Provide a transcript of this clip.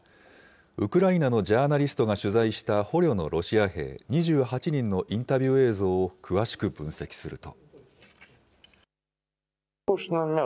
ウクライナのジャーナリストが取材した捕虜のロシア兵２８人のインタビュー映像を詳しく分析すると。